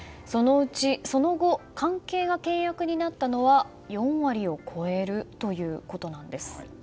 その後、関係が険悪になったのは４割を超えるということなんです。